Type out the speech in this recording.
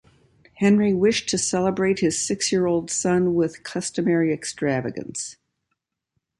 Henry wished to celebrate his six-year-old son with customary extravagance.